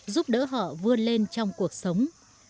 giúp đỡ họ vươn lên trong cuộc sống